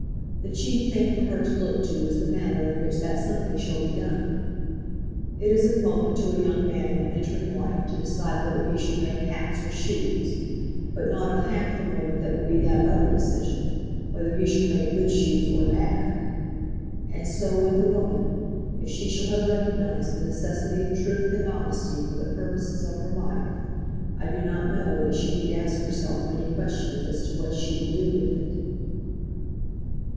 The chief thing for her to look to is the manner in which that something shall be done. It is of moment to a young man when entering life to decide whether he shall make hats or shoes; but not of half the moment that will be that other decision, whether he shall make good shoes or bad. And so with a woman; if she shall have recognised the necessity of truth and honesty for the purposes of her life, I do not know that she need ask herself many questions as to what she will do with it.